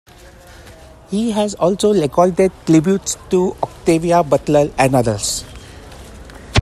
He has also recorded tributes to Octavia Butler and others.